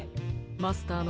マスターは？